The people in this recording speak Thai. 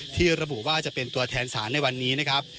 ที่ระบุว่าจะเป็นตัวแทนศาลในวันนี้นะครับ